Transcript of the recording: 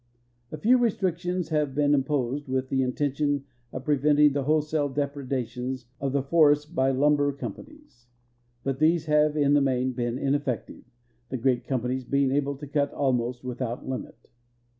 A few restrictions have been im))Osed with the intention of preventing the wholesale depredations of the forests by lumber companies, but these have in the main been ineffective, the great companies being able to cut almost without limit.